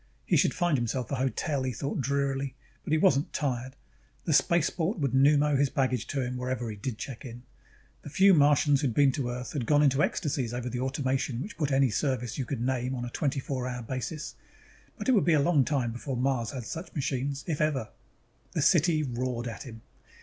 He should find himself a hotel, he thought drearily, but he wasn't tired; the spaceport would pneumo his baggage to him whenever he did check in. The few Martians who had been to Earth had gone into ecstasies over the automation which put any service you could name on a twenty four hour basis. But it would be a long time before Mars had such machines. If ever. The city roared at him.